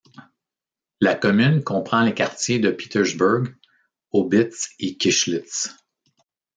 La commune comprend les quartiers de Petersberg, Aubitz et Kischlitz.